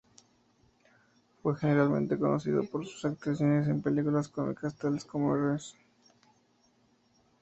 Fue generalmente conocido por sus actuaciones en películas cómicas tales como "Mrs.